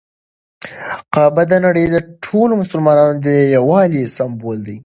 کعبه د نړۍ ټولو مسلمانانو د یووالي سمبول ده.